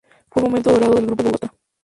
Fue el momento dorado del Grupo de Bogotá.